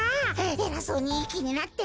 えらそうにいいきになって。